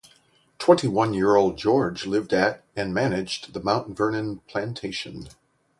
Twenty-year-old George lived at, and managed, the Mount Vernon plantation.